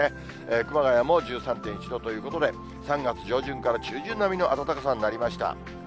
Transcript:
熊谷も１３．１度ということで、３月上旬から中旬並みの暖かさになりました。